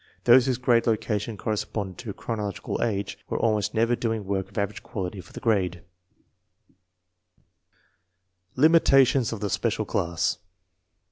Those whose grade location corresponded to chronological age were almost never doing work of average quality for the grade. Limitations of the special class.